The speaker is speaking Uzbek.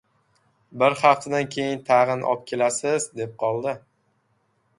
Bir haftadan keyin tag‘in obkelasiz, - deb qoldi.